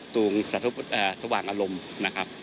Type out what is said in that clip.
ตรงสว่างอารมณ์นะครับ